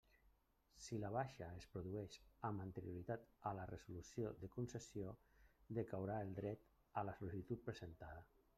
Si la baixa es produeix amb anterioritat a la resolució de concessió, decaurà el dret a la sol·licitud presentada.